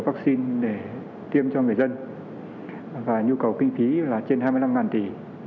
vắc xin để tiêm cho người dân và nhu cầu kinh tí là trên hai mươi năm tỷ